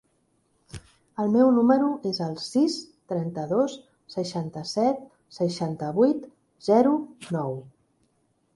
El meu número es el sis, trenta-dos, seixanta-set, seixanta-vuit, zero, nou.